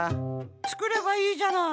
つくればいいじゃない。